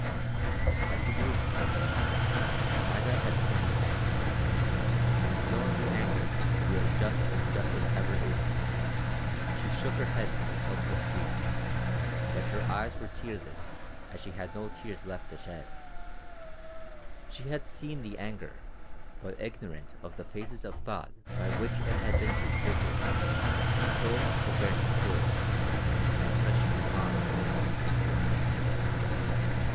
As he moved from her, Maida had seen the anger, and knowing the anger to be as just as justice ever is, she shook her head in helpless grief, yet her eyes were tearless as had she no tears left to shed. She had seen the anger, but ignorant of the phases of thought by which it had been transfigured she stole up to where he stood and touched his arm with a shrinking caress.